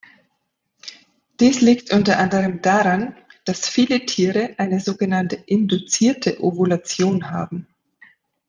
Dies liegt unter anderem daran, dass viele Tiere eine sogenannte induzierte Ovulation haben.